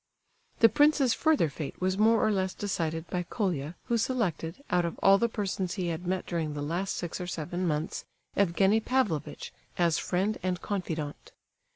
The prince's further fate was more or less decided by Colia, who selected, out of all the persons he had met during the last six or seven months, Evgenie Pavlovitch, as friend and confidant.